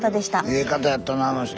ええ方やったなあの人。